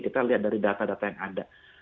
kita lihat dari data data yang ada